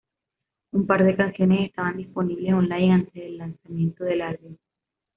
Un par de canciones estaban disponibles online antes de el lanzamiento del álbum.